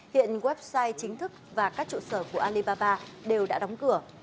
hiện website chính thức và các trụ sở của alibaba đều đã đóng cửa